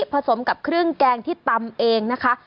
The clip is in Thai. สมกับเครื่องแกงที่ตำเองนะคะ